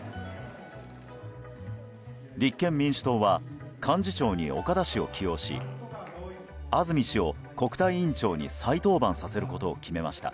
立憲民主党は幹事長に岡田氏を起用し安住氏を国対委員長に再登板させることを決めました。